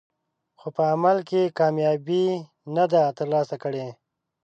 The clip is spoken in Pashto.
خو په عمل کې کامیابي نه ده ترلاسه کړې.